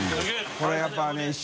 これやっぱね噂